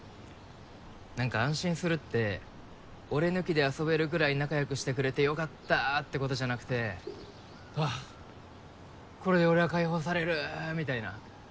何か安心するって俺抜きで遊べるぐらい仲良くしてくれて良かったってことじゃなくてあぁこれで俺は解放されるみたいな。